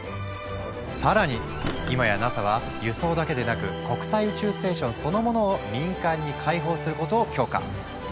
さらに今やＮＡＳＡは輸送だけでなく国際宇宙ステーションそのものを民間に開放することを許可。